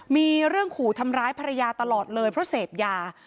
มีเรื่องขู่ทำร้ายภรรยาตลอดเลยเพราะเสพยา